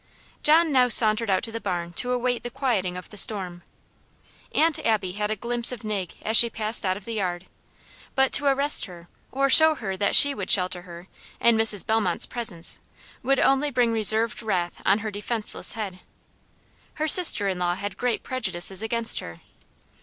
John now sauntered out to the barn to await the quieting of the storm. Aunt Abby had a glimpse of Nig as she passed out of the yard; but to arrest her, or shew her that SHE would shelter her, in Mrs. Bellmont's presence, would only bring reserved wrath on her defenceless head. Her sister inlaw had great prejudices against her.